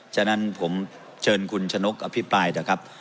ฉะนั้นผมเชิญคุณชะนกอภิปรายเถอะครับ